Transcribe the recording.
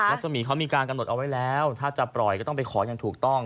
รัศมีเขามีการกำหนดเอาไว้แล้วถ้าจะปล่อยก็ต้องไปขออย่างถูกต้อง